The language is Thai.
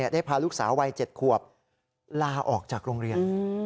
ได้พาลูกสาววัย๗ขวบลาออกจากโรงเรียน